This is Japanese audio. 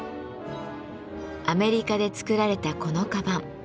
アメリカで作られたこの鞄。